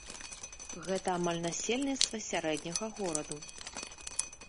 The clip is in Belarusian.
Гэта амаль насельніцтва сярэдняга гораду.